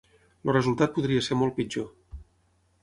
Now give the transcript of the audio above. El resultat podria ser molt pitjor.